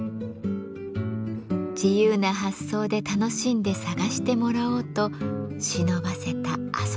自由な発想で楽しんで探してもらおうと忍ばせた遊び心も！